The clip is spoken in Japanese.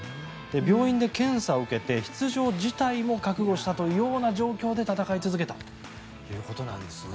病院で検査を受けて、出場辞退も覚悟したというような状態で戦い続けたということなんですね。